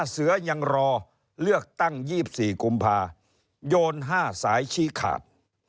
เสือยังรอเลือกตั้ง๒๔กุมภาโยน๕สายชี้ขาด